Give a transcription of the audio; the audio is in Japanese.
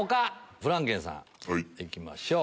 フランケンさん行きましょう。